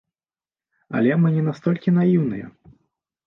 Але мы не настолькі наіўныя.